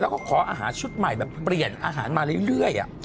แล้วก็ขออาหารชุดใหม่แบบเปลี่ยนอาหารมาเรื่อย